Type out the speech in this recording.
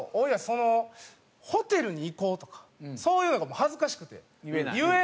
その「ホテルに行こう」とかそういうのが恥ずかしくて言えないから。